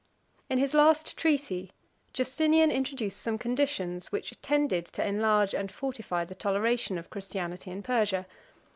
In his last treaty, Justinian introduced some conditions which tended to enlarge and fortify the toleration of Christianity in Persia.